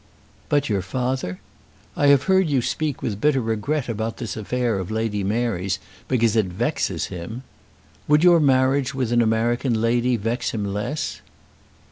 "But your father? I have heard you speak with bitter regret of this affair of Lady Mary's, because it vexes him. Would your marriage with an American lady vex him less?"